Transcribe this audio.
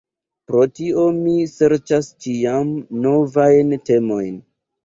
Pro tio mi serĉas ĉiam novajn temojn.